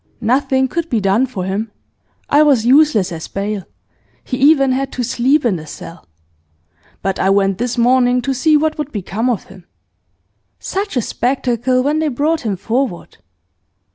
Nothing could be done for him; I was useless as bail; he e'en had to sleep in the cell. But I went this morning to see what would become of him. Such a spectacle when they brought him forward!